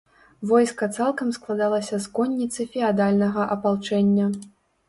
Войска цалкам складалася з конніцы феадальнага апалчэння.